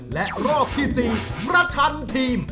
และรอบที่๔ประชันทีม